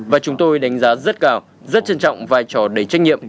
và chúng tôi đánh giá rất cao rất trân trọng vai trò đầy trách nhiệm